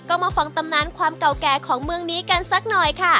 ก็มาฟังตำนานความเก่าแก่ของเมืองนี้กันสักหน่อยค่ะ